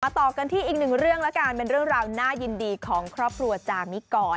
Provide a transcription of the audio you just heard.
ต่อกันที่อีกหนึ่งเรื่องแล้วกันเป็นเรื่องราวน่ายินดีของครอบครัวจามิกร